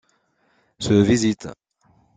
Se visite.